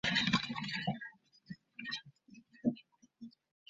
তারপর নেমে গেল নিচে, বাড়িঅলার মেয়েটিকে খবর দিয়ে নিয়ে আসতে।